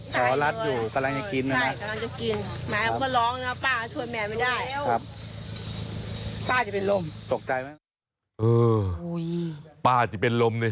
ป้าอาจจะเป็นลมเนี่ย